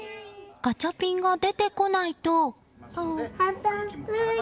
ガチャピンが出てこないと。